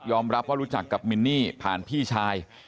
รับว่ารู้จักกับมินนี่ผ่านพี่ชาย